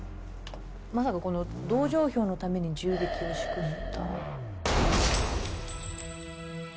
まさかこの同情票のために銃撃を仕組んだ？